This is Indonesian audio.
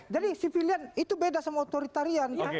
jadi civilian itu beda sama authoritarian